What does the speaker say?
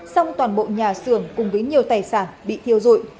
song toàn bộ nhà xưởng cùng với nhiều tài sản bị thiêu dụi